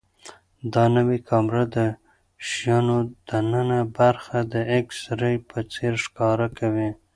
دا نوې کامره د شیانو دننه برخه د ایکس ری په څېر ښکاره کوي.